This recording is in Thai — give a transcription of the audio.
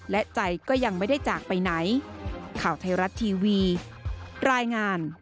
และใจก็ยังไม่ได้จากไปไหน